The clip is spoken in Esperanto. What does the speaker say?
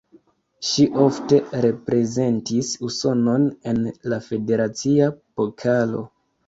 Ŝi ofte reprezentis Usonon en la Federacia Pokalo.